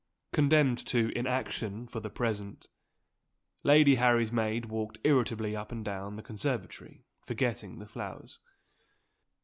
Condemned to inaction for the present, Lady Harry's maid walked irritably up and down the conservatory, forgetting the flowers.